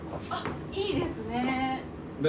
あっいいですね。